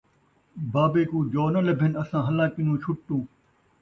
بابے کوں جو نہ لبھن اساں ہلاں کنوں چھٹوں